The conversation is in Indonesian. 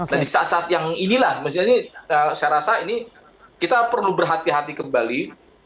nah di saat saat yang inilah misalnya saya rasa ini kita perlu berhati hati kembali